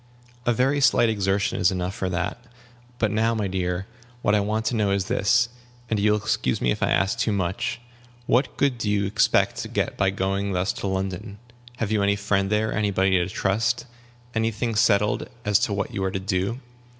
"A very slight exertion is enough for that. But now, my dear, what I want to know is this and you will excuse me if I ask too much what good do you expect to get by going thus to London? Have you any friend there, any body to trust, any thing settled as to what you are to do?"